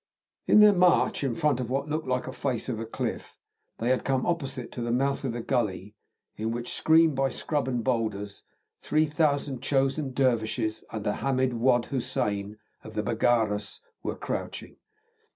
In their march in front of what looked like a face of cliff, they had come opposite to the mouth of the gully, in which, screened by scrub and boulders, 3,000 chosen dervishes, under Hamid Wad Hussein, of the Baggaras, were crouching.